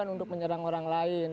untuk menyerang orang lain